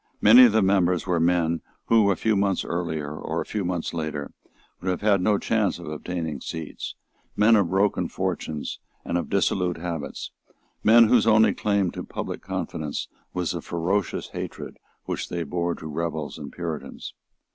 Many of the members were men who, a few months earlier or a few months later, would have had no chance of obtaining seats, men of broken fortunes and of dissolute habits, men whose only claim to public confidence was the ferocious hatred which they bore to rebels and Puritans.